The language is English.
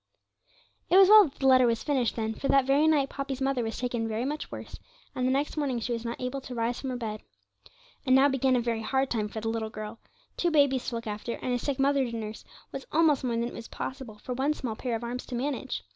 It was well that the letter was finished then, for that very night Poppy's mother was taken very much worse, and the next morning she was not able to rise from her bed. And now began a very hard time for the little girl. Two babies to look after, and a sick mother to nurse, was almost more than it was possible for one small pair of arms to manage.